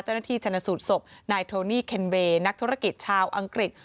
เจ้าหน้าที่ชนสูตรศพนายโทนี่เคนเวย์นักธุรกิจชาวอังกฤษ